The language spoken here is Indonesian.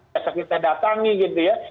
biasa kita datangi gitu ya